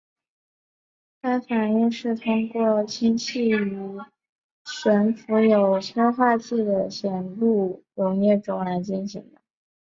该反应是通氢气于悬浮有催化剂的酰氯溶液中来进行。